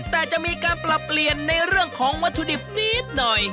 แต่จะมีการปรับเปลี่ยนในเรื่องของวัตถุดิบนิดหน่อย